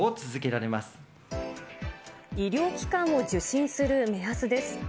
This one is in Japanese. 医療機関を受診する目安です。